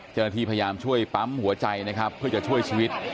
เจ้าหน้าที่พยายามช่วยปั๊มหัวใจนะครับเพื่อจะช่วยชีวิต